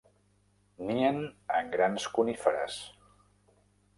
Nien en grans coníferes.